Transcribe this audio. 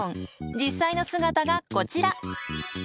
実際の姿がこちら。